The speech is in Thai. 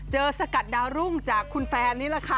สกัดดาวรุ่งจากคุณแฟนนี่แหละค่ะ